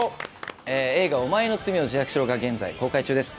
映画『おまえの罪を自白しろ』が現在公開中です。